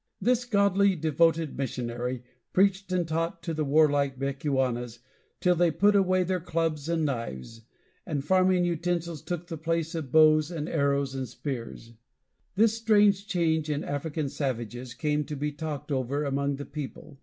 This godly, devoted missionary preached and taught the warlike Bechuanas till they put away their clubs and knives, and farming utensils took the place of bows and arrows and spears. This strange change in African savages came to be talked over among the people.